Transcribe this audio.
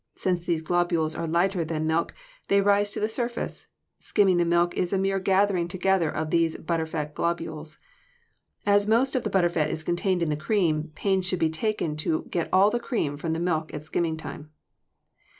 Since these globules are lighter than milk, they rise to the surface. Skimming the milk is a mere gathering together of these butter fat globules. As most of the butter fat is contained in the cream, pains should be taken to get all the cream from the milk at skimming time.